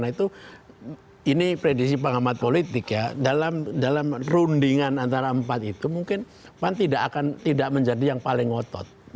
jadi predisi pengamat politik ya dalam rundingan antara empat itu mungkin pan tidak akan tidak menjadi yang paling ngotot